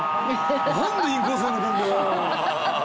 「なんでインコース投げてるんだよ！」